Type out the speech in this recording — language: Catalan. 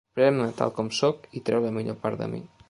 Pren-me tal com sóc i treu la millor part de mi.